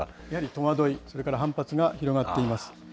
やはり戸惑い、それから反発が広がっています。